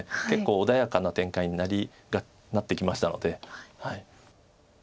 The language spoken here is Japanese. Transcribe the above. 結構穏やかな展開になってきましたので。